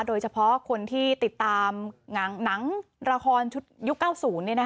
โดยเฉพาะคนที่ติดตามหนังละครชุดยุค๙๐เนี่ยนะคะ